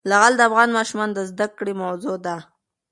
لعل د افغان ماشومانو د زده کړې موضوع ده.